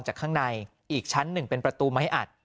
ข้างในอีกชั้นหนึ่งเป็นประตูไม้อัด